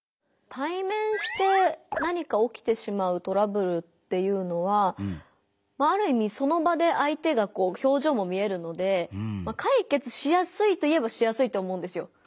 対面して何か起きてしまうトラブルっていうのはまあある意味その場で相手がこう表情も見えるので解決しやすいといえばしやすいと思うんですよ。